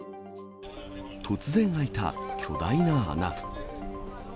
突然開いた巨大な穴。